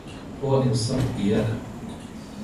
فؤاد الصب إياكا